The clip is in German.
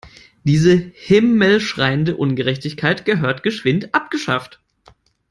Diese himmelschreiende Ungerechtigkeit gehört geschwind abgeschafft.